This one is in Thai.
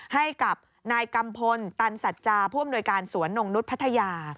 ให้กับนายกัมพลตันสัจจาผู้อำนวยการสวนนงนุษย์พัทยา